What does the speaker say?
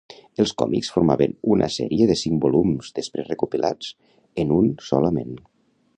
Els còmics formaven una sèrie de cinc volums després recopilats en un solament.